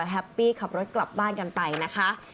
แฮปปี้ขับรถกลับบ้านกันไปนะคะ